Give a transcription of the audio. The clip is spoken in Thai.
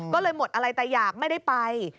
ก็เลยหมดอะไรแต่อยากไม่ได้ไป